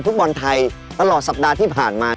ฟุตบอลไทยตลอดสัปดาห์ที่ผ่านมา